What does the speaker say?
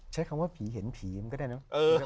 ใช้คำว่าผีเห็นผีมันก็ได้เนอะ